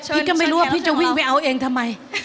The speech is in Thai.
พี่ก็ไม่รู้ว่าพี่จะวิ่งไปเอาเองทำไม